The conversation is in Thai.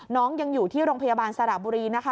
น้องยังอยู่ที่โรงพยาบาลสระบุรีนะคะ